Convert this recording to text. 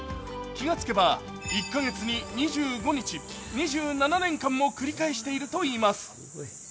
気が付けば１カ月に２５日、２７年間も繰り返しているといいます。